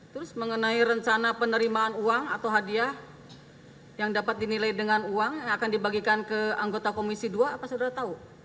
terus mengenai rencana penerimaan uang atau hadiah yang dapat dinilai dengan uang yang akan dibagikan ke anggota komisi dua apa saudara tahu